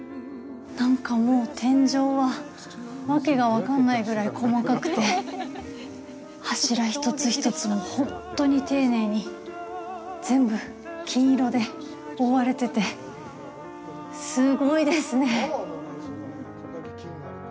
なんか、もう天井は訳が分かんないぐらい細かくて柱一つ一つも本当に丁寧に全部金色で覆われてて、すごいですね。